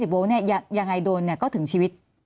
โวลต์ยังไงโดนก็ถึงชีวิต